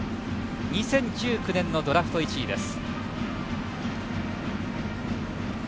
２０１９年のドラフト１位です。